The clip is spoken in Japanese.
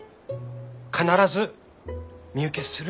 必ず身請けする。